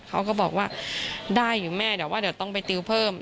เขาก็บอกว่าได้อยู่แม่เดี๋ยวว่าเดี๋ยวต้องไปติวเพิ่ม